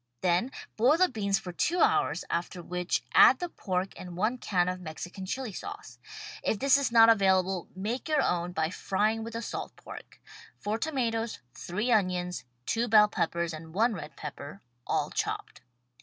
Then boil the beans for two hours, after which add the pork and one can of Mexican Chili Sauce. If this is not available, make your own by frying with the salt pork : four tomatoes, three onions, two bell peppers and one red pepper, all chopped.